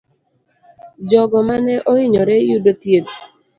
Jogo mane oinyore yudo thieth.